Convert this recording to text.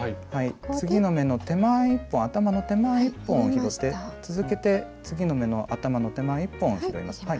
次の目の手前１本頭の手前１本を拾って続けて次の目の頭の手前１本を拾います。